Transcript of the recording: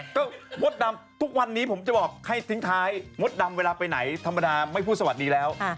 ก็มดดำทุกวันนี้ผมจะบอกให้ทิ้งท้ายมดดำเวลาไปไหนธรรมดาไม่พูดสวัสดีแล้ว